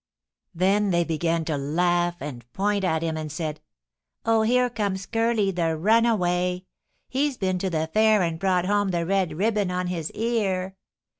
Then they began to laugh and point at him, and said: " [Illustration: RAN TO HIS MOTHER.] "'Oh, here comes Curly, the runaway. He's been to the fair and brought home the red ribbon on his ear!'